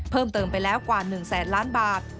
เพิ่มเติมไปแล้วกว่า๑แสนล้านบาท